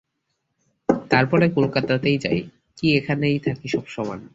তার পরে কলকাতাতেই যাই কি এখানেই থাকি সব সমান।